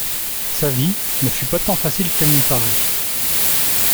Sa vie ne fut pas tant facile qu'elle n'y paraît.